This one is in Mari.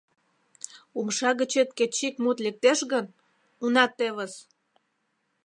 Умша гычет кеч ик мут лектеш гын, уна тевыс!..